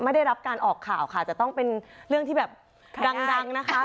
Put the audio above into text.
ไม่ได้รับการออกข่าวค่ะจะต้องเป็นเรื่องที่แบบดังนะคะ